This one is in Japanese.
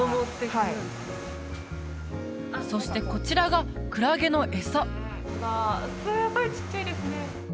はいそしてこちらがクラゲの餌すごいちっちゃいですね